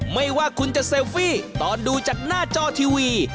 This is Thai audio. ไม่ว่าคุณจะเซลฟี่ตอนดูจากหน้าจอทีวี